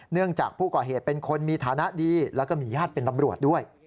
เนื่องจากผู้ก่อเหตุเป็นคนมีฐานะดีแล้วก็มีญาติเป็นตำรวจด้วย